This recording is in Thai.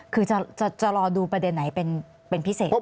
คือจะรอดูประเด็นไหนเป็นพิเศษ